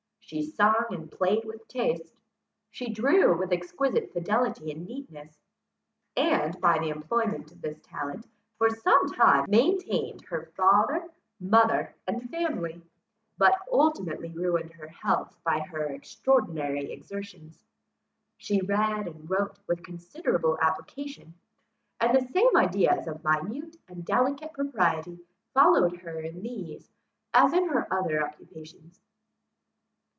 She sung and played with taste. She drew with exquisite fidelity and neatness; and, by the employment of this talent, for some time maintained her father, mother, and family, but ultimately ruined her health by her extraordinary exertions. She read and wrote with considerable application; and the same ideas of minute and delicate propriety followed her in these, as in her other occupations.